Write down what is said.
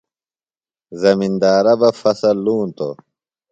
زمندارہ بہ فصۡل لونتوۡ۔